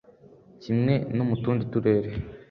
Kimwe no mu tundi turere